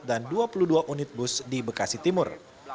dan dua puluh dua unit bus di bekasi timur